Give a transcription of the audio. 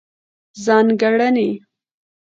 ځانګړنې: